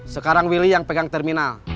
sekarang willy yang pegang terminal